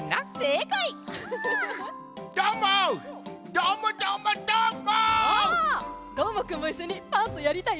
どーもくんもいっしょに「パント！」やりたい？